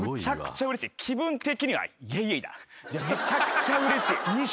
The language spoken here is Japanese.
めちゃくちゃうれしい。